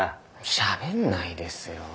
しゃべんないですよ。